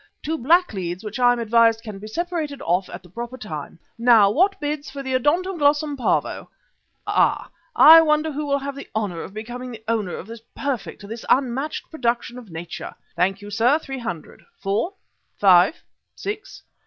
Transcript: Two black leads which I am advised can be separated off at the proper time. Now, what bids for the 'Odontoglossum Pavo.' Ah! I wonder who will have the honour of becoming the owner of this perfect, this unmatched production of Nature. Thank you, sir three hundred. Four. Five. Six.